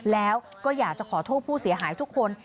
แล้วก็อยากจะขอโทษผู้เสียหายทุกคน